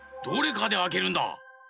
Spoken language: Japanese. どれかであけるんだ。